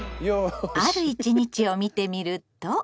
ある一日を見てみると。